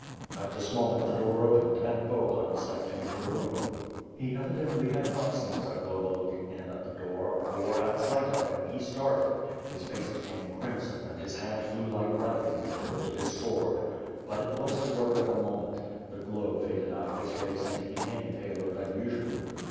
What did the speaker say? At this moment, the door opened and Bohun stepped into the room. He evidently had not seen Zagloba looking in at the door; for, at sight of him, he started, his face became crimson and his hand flew like lightning to the hilt of his sword; — ^but it was the work of a moment; the glow faded out of his face and he became paler than usual.